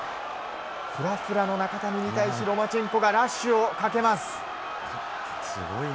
ふらふらの中谷に対しロマチェンコがラッシュをかけます。